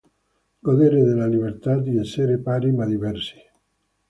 Godere della libertà di essere pari ma diversi.